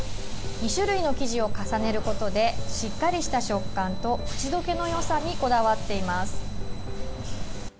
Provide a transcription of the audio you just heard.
２種類の生地を重ねることでしっかりした食感と口溶けの良さにこだわっています。